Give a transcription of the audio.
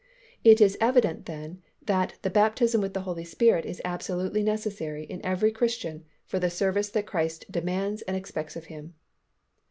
It is evident then that _the baptism with the Holy Spirit is absolutely necessary in every Christian for the service that Christ demands and expects of him_.